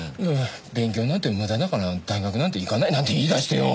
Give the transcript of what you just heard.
「勉強なんて無駄だから大学なんて行かない」なんて言い出してよ。